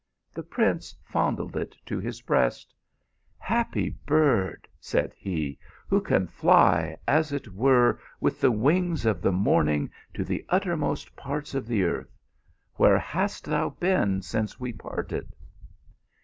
The prince fondled it to his breast. " Happy bird, said he, " who can fly, as it were, with the wings of the morning to the uttermost parts of the earth. Where hast thou been since we parted